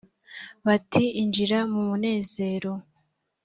bati injira mu munezero